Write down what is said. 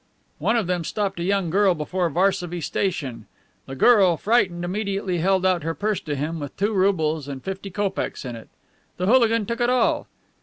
One of them stopped a young girl before Varsovie station. The girl, frightened, immediately held out her purse to him, with two roubles and fifty kopecks in it. The hooligan took it all.